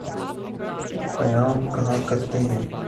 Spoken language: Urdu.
قیام کہاں کرتے ہیں؟